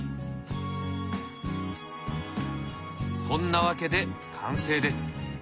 そんなわけで完成です。